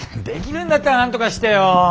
できるんだったらなんとかしてよ。